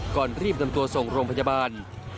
ก่อนรีบนำตัวส่งโรงพยาบาล